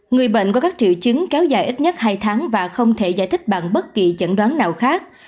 người bệnh có các triệu chứng kéo dài ít nhất hai tháng và không thể giải thích bằng bất kỳ chẩn đoán nào khác